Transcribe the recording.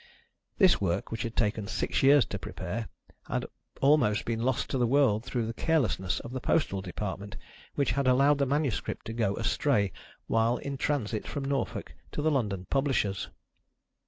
This work, which had taken six years to prepare, had almost been lost to the world through the carelessness of the Postal Department, which had allowed the manuscript to go astray while in transit from Norfolk to the London publishers.